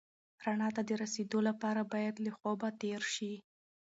رڼا ته د رسېدو لپاره باید له خوبه تېر شې.